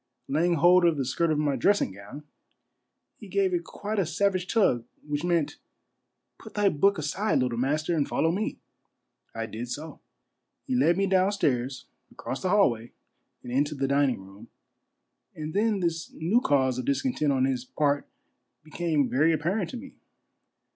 Laying hold of the skirt of my dressing gown, he gave it quite a savage tug, which meant, "Put thy book aside, little master, and follow me." I did so. He led me down stall's across the hallway and into the dining room, and then this new cause of discontent on his part became very apparent to me.